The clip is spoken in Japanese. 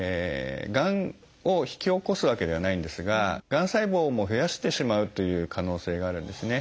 がんを引き起こすわけではないんですががん細胞も増やしてしまうという可能性があるんですね。